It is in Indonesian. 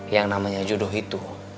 yang namanya jodoh itu